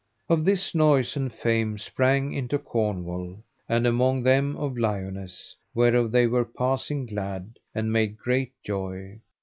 Of this noise and fame sprang into Cornwall, and among them of Liones, whereof they were passing glad, and made great joy.